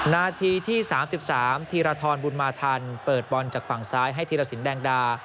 นาทีที่สามสิบสามธีรธรบุญมาธรรมเปิดบอลจากฝั่งซ้ายให้ธีรศิลป์แดงดา